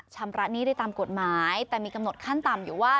ชำระหนี้ได้ตามกฎหมายแต่มีกำหนดขั้นต่ำอยู่ว่า